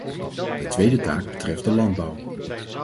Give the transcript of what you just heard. De tweede taak betreft de landbouw.